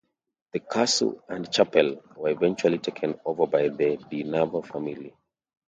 The castle and chapel were eventually taken over by the De Nava family.